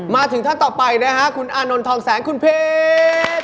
มาถึงท่านต่อไปคุณอานนทองแสงคุณพีช